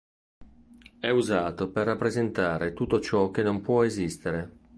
È usato per rappresentare tutto ciò che non può esistere.